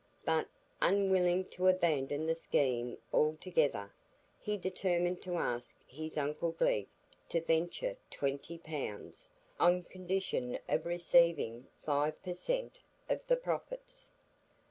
But, unwilling to abandon the scheme altogether, he determined to ask his uncle Glegg to venture twenty pounds, on condition of receiving five per cent. of the profits.